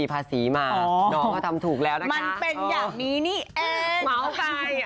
สามารถจ้างได้ครับ